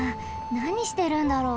なにしてるんだろう？